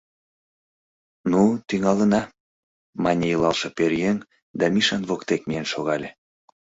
— Ну, тӱҥалына, — мане илалше пӧръеҥ да Мишан воктек миен шогале.